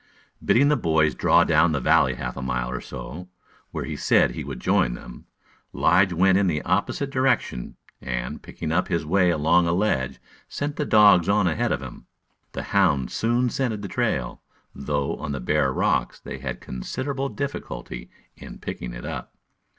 Bidding the boys draw down the valley half a mile or so, where he said he would join them, Lige went in the opposite direction, and, picking his way along a ledge, sent the dogs on ahead of him. The hounds soon scented the trail, though on the bare rocks they had considerable difficulty in picking it up.